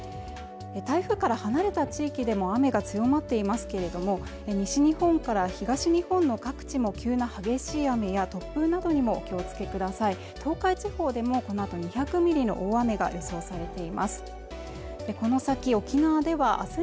台風から離れた地域でも雨が強まっていますけれども西日本から東日本の各地も急な激しい雨や突風などにも気をつけてください東海地方でもこのあと２００ミリの大雨が予想されています